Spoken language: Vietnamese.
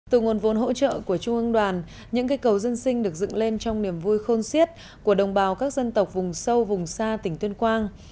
từ nguồn vốn hỗ trợ của trung ương đoàn những cây cầu dân sinh được dựng lên trong niềm vui khôn siết của đồng bào các dân tộc vùng sâu vùng xa tỉnh tuyên quang